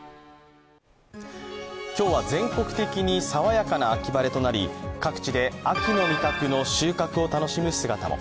今日は全国的に爽やかな秋晴れとなり各地で秋の味覚の収穫を楽しむ姿も。